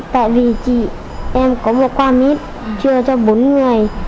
tại vì chị em có một qua mít chưa cho bốn người